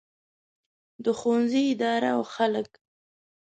د ښوونځي اداره او خلک.